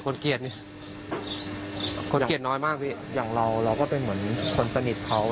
เกลียดนี่คนเกลียดน้อยมากพี่อย่างเราเราก็เป็นเหมือนคนสนิทเขา